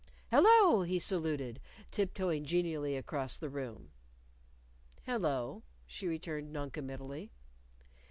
"Hello!" he saluted, tiptoeing genially across the room. "Hello!" she returned noncommittally.